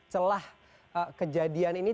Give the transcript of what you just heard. celah kejadian ini